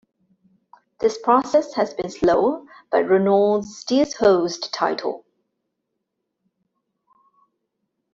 This process has been slow but Reynolds still holds the title.